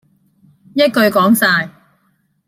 一句講曬